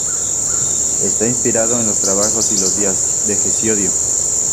Está inspirado en "Los trabajos y los días" de Hesíodo.